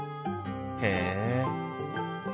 へえ！